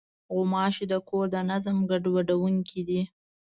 غوماشې د کور د نظم ګډوډوونکې دي.